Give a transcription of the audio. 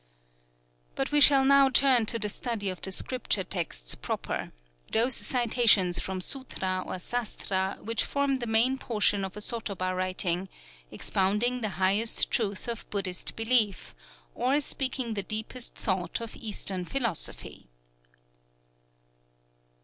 But we shall now turn to the study of the scripture texts proper, those citations from sûtra or sastra which form the main portion of a sotoba writing; expounding the highest truth of Buddhist belief, or speaking the deepest thought of Eastern philosophy.